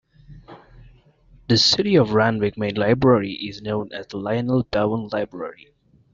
The City of Randwick main library is known as the Lionel Bowen Library.